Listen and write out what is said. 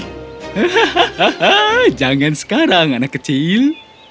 hahaha jangan sekarang anak kecil